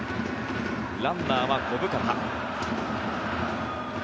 ランナーは小深田。